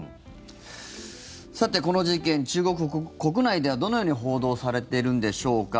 さて、この事件中国国内では、どのように報道されているんでしょうか。